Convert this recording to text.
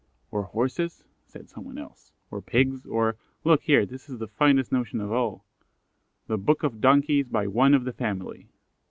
"Or Horses," said some one else; "or Pigs; or, look here, this is the finest notion of all: 'THE BOOK OF DONKIES, BY ONE OF THE FAMILY!